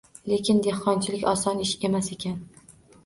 Lekin dehqonchilik oson ish emas ekan.